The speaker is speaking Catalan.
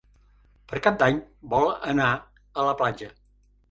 Per Cap d'Any vol anar a la platja.